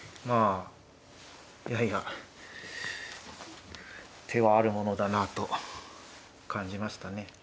まあいやいや手はあるものだなあと感じましたね。